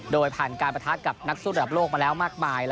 โดยผ่านการประทะกับนักสู้ระดับโลกมาแล้วมากมาย